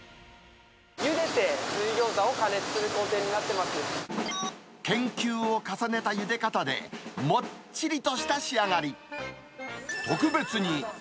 ゆでて水ギョーザを加熱する研究を重ねたゆで方で、もっちりとした仕上がり。